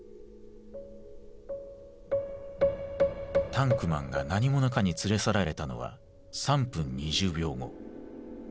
タンクマンが何者かに連れ去られたのは３分２０秒後。